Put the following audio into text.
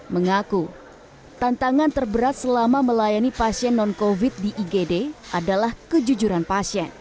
mengaku tantangan terberat selama melayani pasien non covid di igd adalah kejujuran pasien